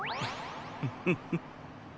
フフフ。